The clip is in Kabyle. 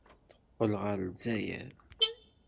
Teqqel ɣer Lezzayer.